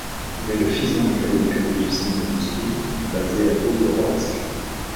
Il est le fils d'un employé de bureau d'usine de Moscou basé à Bogorodsk.